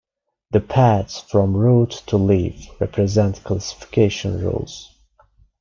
The paths from root to leaf represent classification rules.